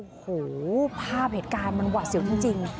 โอ้โหภาพเหตุการณ์มันหวาดเสียวจริง